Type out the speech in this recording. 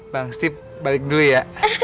bang step balik dulu ya